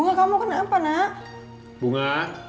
saya akan sebaiknya